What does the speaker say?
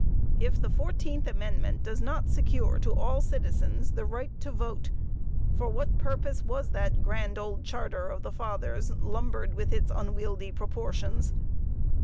If the fourteenth amendment does not secure to all citizens the right to rote, for what purpose was that grand old charter of the fathers lumbered with its unwieldy proportions?